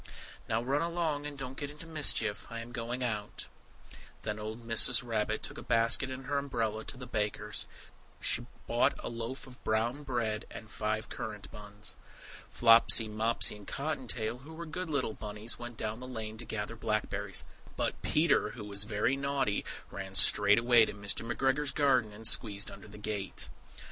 "Now run along, and don't get into mischief. I am going out." Then old Mrs. Rabbit took a basket and her umbrella, and went through the wood to the baker's. She bought a loaf of brown bread and five currant buns. Flopsy, Mopsy, and Cotton tail, who were good little bunnies, went down the lane to gather blackberries; But Peter, who was very naughty, ran straight away to Mr. McGregor's garden, and squeezed under the gate!